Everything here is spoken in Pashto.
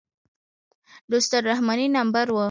د استاد رحماني نمبر و.